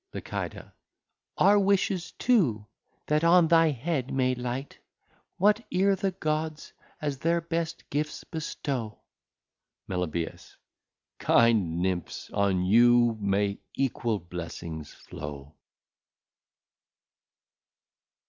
Lici. Our Wishes too, That on thy Head may light, What e're the Gods as their Best Gifts bestow. Meli. Kind Nymphs on you may Equal Blessings flow.